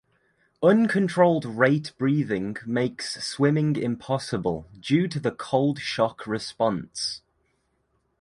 Uncontrolled rate breathing makes swimming impossible due to the cold shock response.